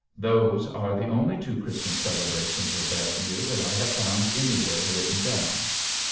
Those are the only two Christmas celebrations of that year that I have found anywhere written down!